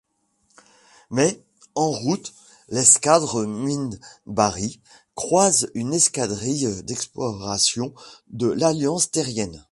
Mais, en route, l'escadre minbarie croise une escadrille d'exploration de l'Alliance terrienne.